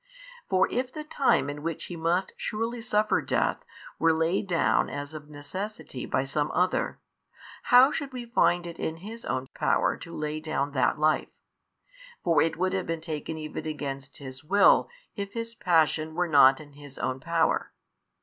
For if the time in which He must surely suffer death, were laid down as of necessity by some other, how should we find it in His own power to lay down that Life? for it would have been taken even against His will, if His Passion were not in His own power.